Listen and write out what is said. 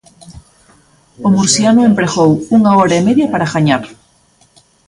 O murciano empregou unha hora e media para gañar.